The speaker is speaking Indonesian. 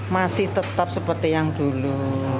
masih tetap seperti yang dulu